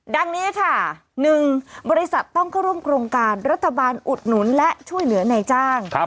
ดังนี้ค่ะ๑บริษัทต้องเข้าร่วมโครงการรัฐบาลอุดหนุนและช่วยเหลือในจ้าง